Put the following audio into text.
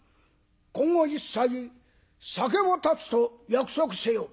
「今後一切酒を断つと約束せよ」。